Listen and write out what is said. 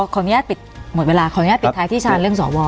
ขออนุญาตปิดท้ายที่ชาวน์เรื่องสอบวอล